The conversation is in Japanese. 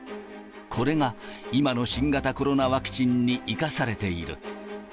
これが、今の新型コロナワクチンに生かされている。